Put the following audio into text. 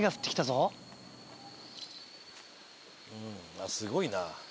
あとはすごいな。